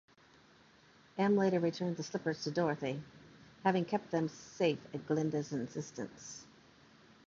Em later returned the slippers to Dorothy, having kept them safe at Glinda's insistence.